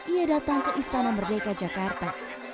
ia datang ke istana merdeka jakarta